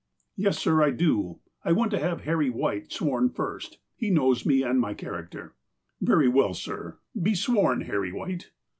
" Yes, sir, I do. I want to have Harry White sworn first. He knows me and my character." "Very well, sir. Be sworn, Harry White."